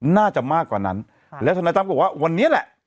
น่าจะมากกว่านั้นแล้วทนายตั้มก็บอกว่าวันนี้แหละ